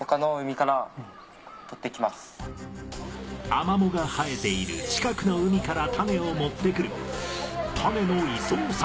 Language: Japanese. アマモが生えている近くの海から種を持ってくる。